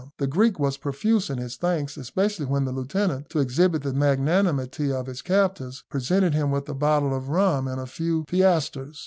The Greek was profuse in his thanks, especially when the lieutenant, to exhibit the magnanimity of his captors, presented him with a bottle of rum and a few piastres.